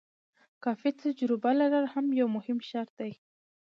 کافي تجربه لرل هم یو مهم شرط دی.